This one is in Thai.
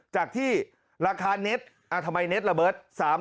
จากที่ราคาเน็ตทำไมเน็ตระเบิร์ต